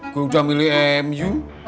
gue udah milih mu